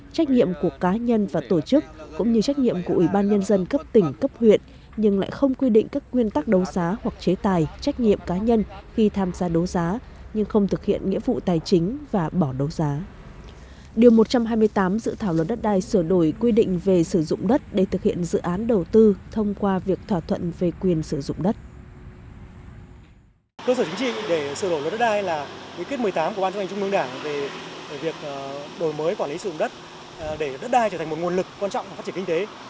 cơ sở chính trị để sửa đổi luật đất đai là kết một mươi tám của ban chương trình trung ương đảng về việc đổi mới quản lý sử dụng đất để đất đai trở thành một nguồn lực quan trọng phát triển kinh tế